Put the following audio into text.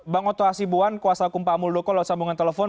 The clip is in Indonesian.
bang oto asibuan kuasa akum pak mudoko lo sambungan telepon